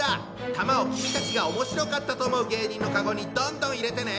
玉を君たちが面白かったと思う芸人のカゴにどんどん入れてね！